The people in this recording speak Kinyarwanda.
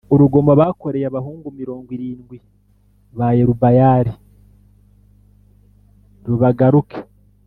urugomo bakoreye abahungu mirongo irindwi ba Yerubayali rubagaruke